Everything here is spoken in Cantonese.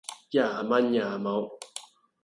也文也武